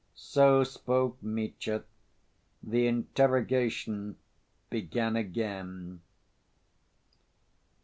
So spoke Mitya. The interrogation began again.